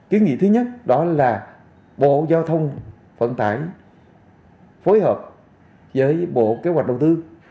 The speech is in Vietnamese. kế nghị thứ nhất đó là bộ giao thông phận tải phối hợp với bộ kế hoạch đồng tư